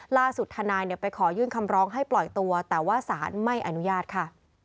ทนายไปขอยื่นคำร้องให้ปล่อยตัวแต่ว่าสารไม่อนุญาตค่ะ